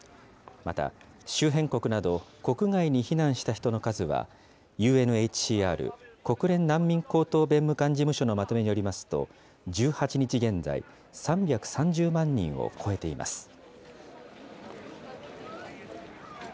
また周辺国など、国外に避難した人の数は、ＵＮＨＣＲ・国連難民高等弁務官事務所のまとめによりますと、１８日現在、３３０万人を超えています。